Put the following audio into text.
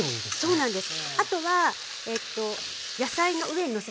そうなんです。